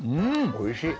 おいしい。